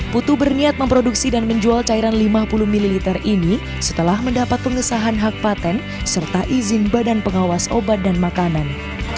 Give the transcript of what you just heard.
putu berniat memproduksi dan menjual cairan lima puluh ml ini setelah mendapat pengesahan hak patent serta izin badan pengawas obat dan makanan